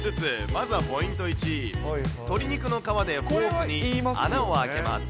まずはポイント１、鶏肉の皮にフォークで穴を開けます。